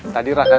tadi raka tuh